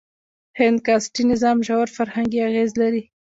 هند کاسټي نظام ژور فرهنګي اغېز لري.